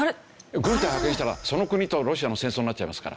軍隊を派遣したらその国とロシアの戦争になっちゃいますから。